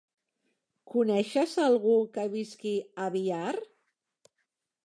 Coneixes algú que visqui a Biar?